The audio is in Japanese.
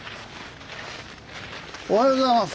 おはようございます。